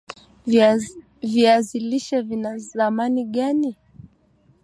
viazi lishe vina thamani gani